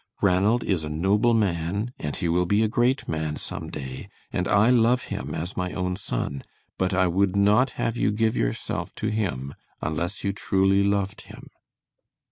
Ranald is a noble man and he will be a great man some day, and I love him as my own son, but I would not have you give yourself to him unless you truly loved him."